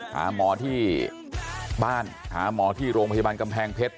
หาหมอที่บ้านหาหมอที่โรงพยาบาลกำแพงเพชร